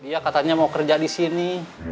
dia katanya mau kerja disini